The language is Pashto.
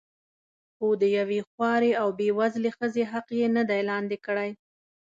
خو د یوې خوارې او بې وزلې ښځې حق یې نه دی لاندې کړی.